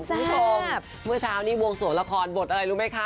คุณผู้ชมเมื่อเช้านี้วงสวงละครบทอะไรรู้ไหมคะ